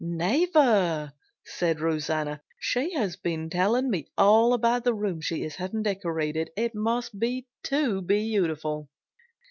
"Never!" said Rosanna. "She has been telling me all about the room she is having decorated. It must be too beautiful!"